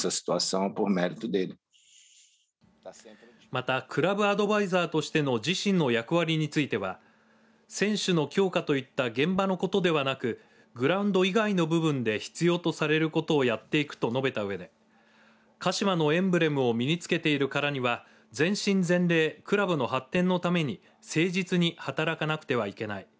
またクラブアドバイザーとしての自身の役割については選手の強化といった現場のことではなくグラウンド以外の部分で必要とされることをやっていくと述べたうえで鹿島のエンブレムを身に着けているからには全身全霊、クラブの発展のために誠実に働かなくてはいけない。